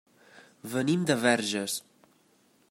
Venim de Verges.